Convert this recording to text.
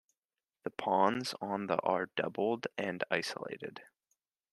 The pawns on the are doubled and isolated.